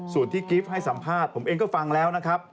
ส่วนที่กิฟต์ให้สัมภาษณ์ผมเองก็ฟังแล้วนะครับ